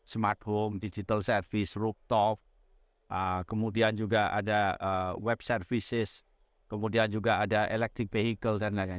smart home digital service rook top kemudian juga ada web services kemudian juga ada electric vehicle dan lain lain